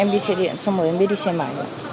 em biết đi xe điện xong rồi em biết đi xe máy